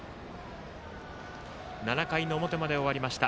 ７回の表まで終わりました。